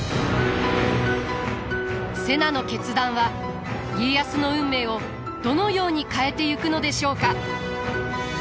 瀬名の決断は家康の運命をどのように変えてゆくのでしょうか？